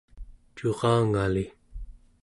curangali